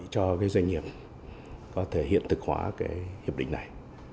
cho doanh nghiệp có thể hiện thực hóa hiệp định này